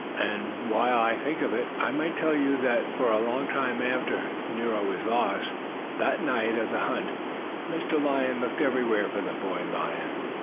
And, while I think of it, I might tell you that for a long time after Nero was lost, that night of the hunt, Mr. Lion looked everywhere for the boy lion.